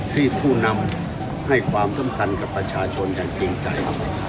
ผู้นำให้ความสำคัญกับประชาชนอย่างจริงใจ